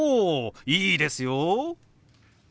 いいですよ！